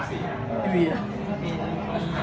พี่วีล่ะ